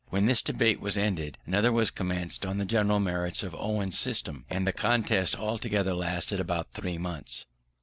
When this debate was ended, another was commenced on the general merits of Owen's system: and the contest altogether lasted about three months.